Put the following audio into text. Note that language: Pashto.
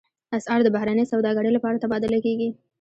اسعار د بهرنۍ سوداګرۍ لپاره تبادله کېږي.